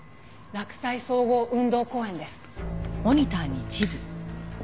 洛西総合運動公園！？